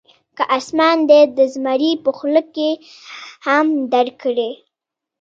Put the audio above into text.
که اسمان دې د زمري په خوله کې هم درکړي.